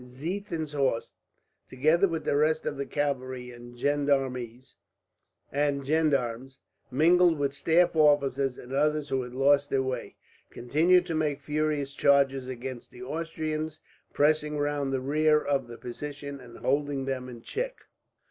Ziethen's horse, together with the rest of the cavalry and gendarmes, mingled with staff officers and others who had lost their way, continued to make furious charges against the Austrians pressing round the rear of the position, and holding them in check.